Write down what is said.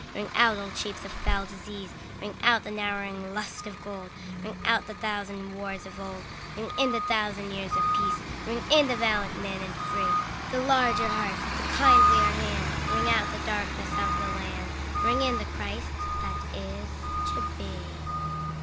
Ring out old shapes of foul disease, Ring out the narrowing lust of gold; Ring out the thousand wars of old, Ring in the thousand years of peace. Ring in the valiant man and free, The larger heart, the kindlier hand; Ring out the darkenss of the land, Ring in the Christ that is to be.